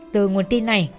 từ nguồn tin này